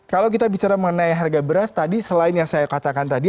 kalau kita bicara mengenai harga beras tadi selain yang saya katakan tadi